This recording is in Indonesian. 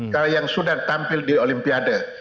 kalau yang sudah tampil di olimpiade